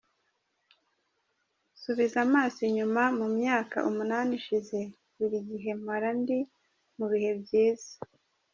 Subiza amaso inyuma mu myaka umunani ishize, buri gihe mpora ndi mu bihe byiza.